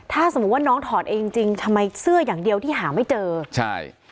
ถ้าสมมุติว่าน้องถอดเองจริงจริงทำไมเสื้ออย่างเดียวที่หาไม่เจอใช่